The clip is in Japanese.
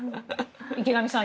池上さん